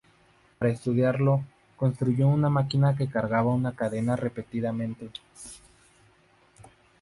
Para estudiarlo, construyó una máquina que cargaba una cadena repetidamente.